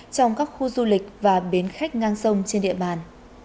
trong các khu du lịch và bến khách ngang sông trên địa bàn